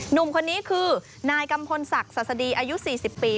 หนุ่มคนนี้คือนายกัมพลศักดิ์ศาสดีอายุ๔๐ปี